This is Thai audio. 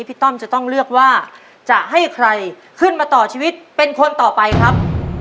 ต้อมจะต้องเลือกว่าจะให้ใครขึ้นมาต่อชีวิตเป็นคนต่อไปครับ